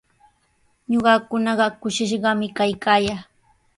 Ñuqakunaqa kushishqami kaykaayaa.